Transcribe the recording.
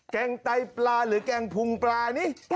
แกงไตปลาหรือแกงพุงปลานี่